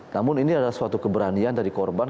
namun ini adalah suatu keberanian dari korban